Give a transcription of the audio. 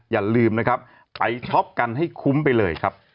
อย่าลืมนะครับไปช็อปกันให้คุ้มไปเลยครับ